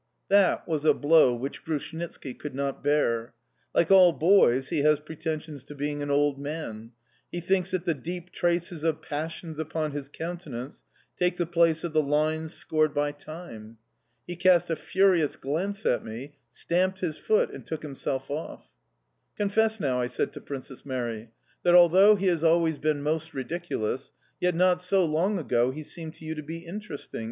That was a blow which Grushnitski could not bear: like all boys, he has pretensions to being an old man; he thinks that the deep traces of passions upon his countenance take the place of the lines scored by Time. He cast a furious glance at me, stamped his foot, and took himself off. "Confess now," I said to Princess Mary: "that although he has always been most ridiculous, yet not so long ago he seemed to you to be interesting...